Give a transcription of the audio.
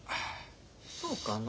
そうかな。